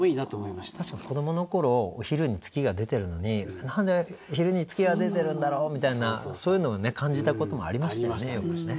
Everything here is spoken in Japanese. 確かに子どもの頃お昼に月が出てるのに何で昼に月が出てるんだろうみたいなそういうのをね感じたこともありましたよねよくね。